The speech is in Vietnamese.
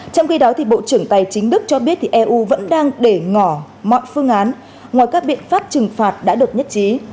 trong khi đó bộ trưởng tài chính đức cho biết eu vẫn đang để ngỏ mọi phương án ngoài các biện pháp trừng phạt đã được nhất trí